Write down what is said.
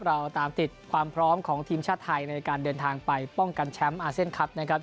เราตามติดความพร้อมของทีมชาติไทยในการเดินทางไปป้องกันแชมป์อาเซียนคลับนะครับ